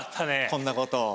こんなことを。